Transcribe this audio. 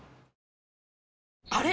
あれ？